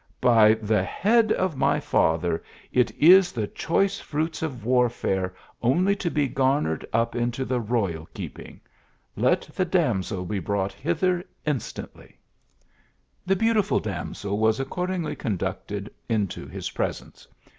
By the head of my father ! it is the choice fruits of warfare, only to be garnered up into the royal k/^ping. Let the damsel be brought hither instantly The beautiful damsel was accordingly conducted into his presence.